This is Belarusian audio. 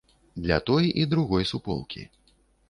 Для той і другой суполкі.